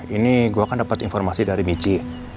ini gue kan dapet informasi dari bici